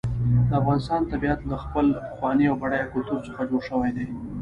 د افغانستان طبیعت له خپل پخواني او بډایه کلتور څخه جوړ شوی دی.